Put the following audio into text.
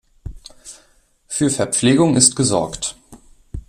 Für Verpflegung ist gesorgt.